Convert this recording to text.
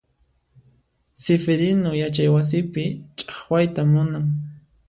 Sifirinu yachay wasipi chaqwayta munan.